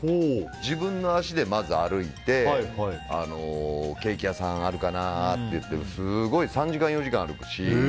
自分の足でまず歩いてケーキ屋さんあるかなっていって３時間、４時間歩くし。